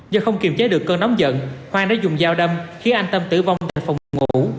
do không kiềm chế được cơn nóng giận khoan đã dùng dao đâm khiến anh tâm tử vong tại phòng ngủ